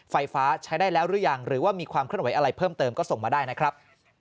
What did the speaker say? ไฟฟ้าใช้ได้แล้วหรือยังหรือว่ามีความเคลื่อนไหวอะไรเพิ่มเติมก็ส่งมาได้นะครับ